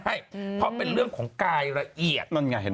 เพราะเป็นเรื่องของกายละเอียด